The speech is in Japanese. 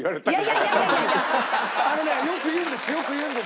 あれねよく言うんです。